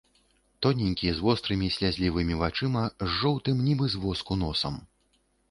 Тоненькі з вострымі слязлівымі вачыма, з жоўтым, нібы з воску, носам.